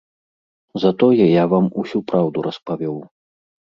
Затое я вам усю праўду распавёў.